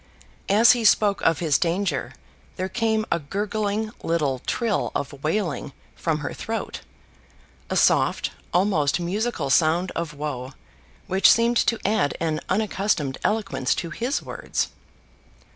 As he spoke of his danger, there came a gurgling little trill of wailing from her throat, a soft, almost musical sound of woe, which seemed to add an unaccustomed eloquence to his words.